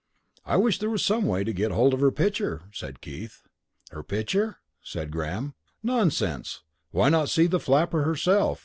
"I wish there was some way of getting hold of her picture," said Keith. "Her picture?" said Graham. "Nonsense! Why not see the flapper herself?